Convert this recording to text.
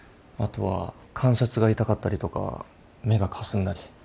後は関節が痛かったりとか目がかすんだり。